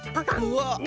うわっ！